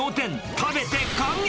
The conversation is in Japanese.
食べて感激！